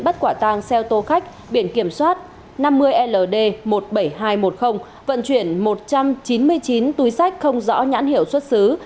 bắt quả tang xe ô tô khách biển kiểm soát năm mươi ld một mươi bảy nghìn hai trăm một mươi vận chuyển một trăm chín mươi chín túi sách không rõ nhãn hiệu xuất xứ